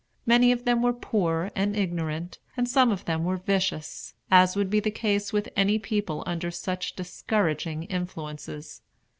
Many of them were poor and ignorant, and some of them were vicious; as would be the case with any people under such discouraging influences.